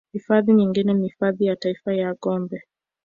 Hifadhi nyingine ni hifadhi ya taifa ya Gombe